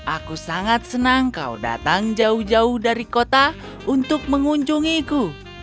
aku sangat senang kau datang jauh jauh dari kota untuk mengunjungiku